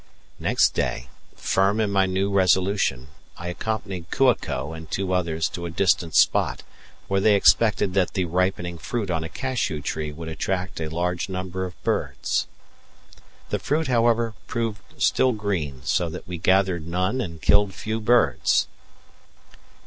Next day, firm in my new resolution, I accompanied Kua ko and two others to a distant spot where they expected that the ripening fruit on a cashew tree would attract a large number of birds. The fruit, however, proved still green, so that we gathered none and killed few birds.